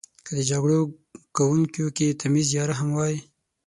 که د جګړو کونکیو کې تمیز یا رحم وای.